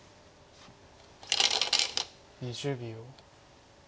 ２０秒。